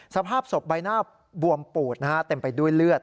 สภาพศพใบหน้าบวมปูดนะฮะเต็มไปด้วยเลือด